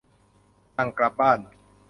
สั่งกลับบ้าน